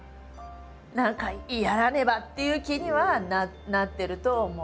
何かやらねばっていう気にはなってるとは思う。